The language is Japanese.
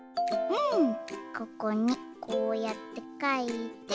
ここにこうやってかいて。